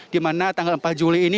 dimana tanggal empat juli ini